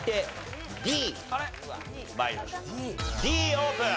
Ｄオープン！